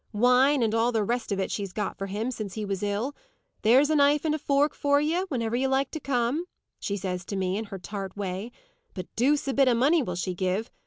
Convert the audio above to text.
Wine, and all the rest of it, she's got for him, since he was ill. 'There's a knife and fork for ye, whenever ye like to come,' she says to me, in her tart way. But deuce a bit of money will she give.